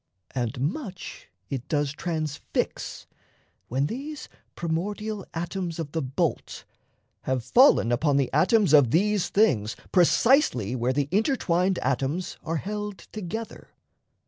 And much it does transfix, When these primordial atoms of the bolt Have fallen upon the atoms of these things Precisely where the intertwined atoms Are held together.